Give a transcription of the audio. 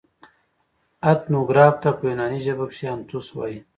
اتنوګراف ته په یوناني ژبه کښي انتوس وايي.